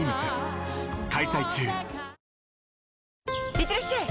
いってらっしゃい！